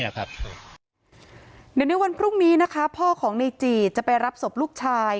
เดี๋ยวในวันพรุ่งนี้นะคะพ่อของในจีดจะไปรับศพลูกชาย